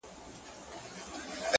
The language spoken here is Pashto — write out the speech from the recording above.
اوس به څوك د ارغسان پر څپو ګرځي!.